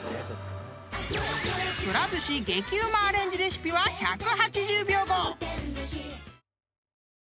［くら寿司激うまアレンジレシピは１８０秒後］